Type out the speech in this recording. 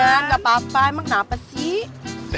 gak apa apa emang kenapa sih